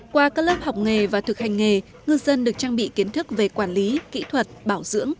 qua các lớp học nghề và thực hành nghề ngư dân được trang bị kiến thức về quản lý kỹ thuật bảo dưỡng